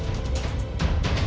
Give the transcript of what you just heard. aku mau balik